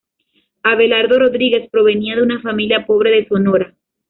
Abelardo Rodríguez provenía de una familia pobre de Sonora.